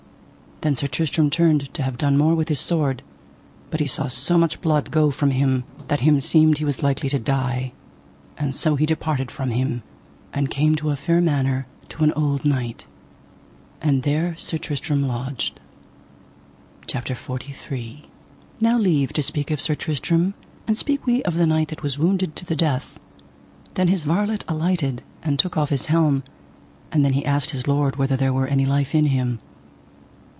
Then Sir Tristram turned to have done more with his sword, but he saw so much blood go from him that him seemed he was likely to die, and so he departed from him and came to a fair manor to an old knight, and there Sir Tristram lodged. CHAPTER XLII. How Morgan le Fay buried her paramour, and how Sir Tristram praised Sir Launcelot and his kin. Now leave to speak of Sir Tristram, and speak we of the knight that was wounded to the death. Then his varlet alighted, and took off his helm, and then he asked his lord whether there were any life in him.